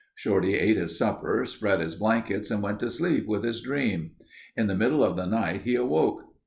Shorty ate his supper, spread his blankets and went to sleep with his dream. In the middle of the night he awoke.